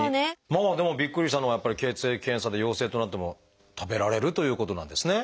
まあでもびっくりしたのはやっぱり血液検査で陽性となっても食べられるということなんですね。